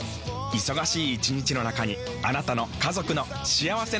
忙しい一日の中にあなたの家族の幸せな時間をつくります。